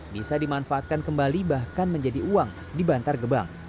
bisa dimanfaatkan kembali bahkan menjadi uang di bantar gebang